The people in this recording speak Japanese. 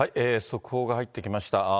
速報が入ってきました。